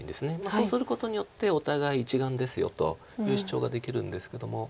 そうすることによってお互い１眼ですよという主張ができるんですけども。